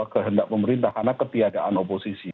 kehendak pemerintah karena ketiadaan oposisi